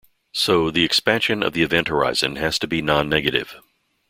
So, the expansion of the event horizon has to be nonnegative.